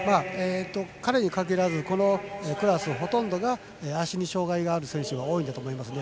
彼に限らずこのクラスのほとんどが足に障がいがある選手が多いんだと思います。